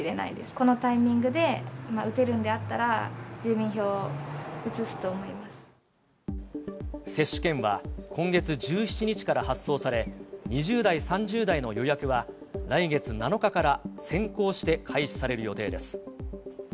このタイミングで打てるんであっ接種券は今月１７日から発送され、２０代、３０代の予約は、来月７日から先行して開始される予定です。